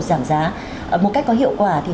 giảm giá một cách có hiệu quả thì